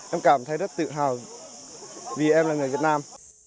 em cảm thấy rất tự hào vì em là người việt nam